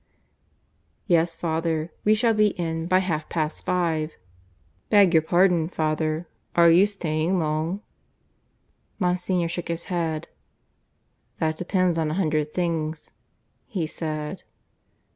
"Yes, father; we shall be in by half past five. ... Beg your pardon, father, are you staying long?" Monsignor shook his head. "That depends on a hundred things," he said.